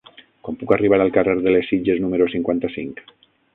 Com puc arribar al carrer de les Sitges número cinquanta-cinc?